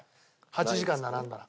８時間並んだら。